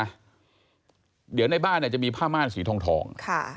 เดี๋ยวในบ้านจะมีผ้าม่านสีทอง